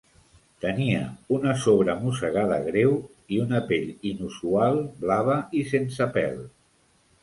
Tenia una sobremossegada greu i una pell inusual, blava i sense pèl.